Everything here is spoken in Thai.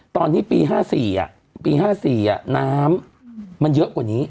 ตอนนี้ปี๕๔ปี๕๔น้ำมันเยอะกว่านี้